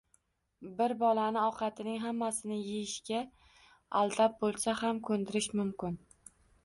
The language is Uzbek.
Bir bolani ovqatining hammasini yeyishga aldab bo‘lsa ham ko‘ndirish mumkin.